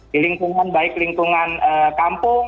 di lingkungan baik lingkungan kampung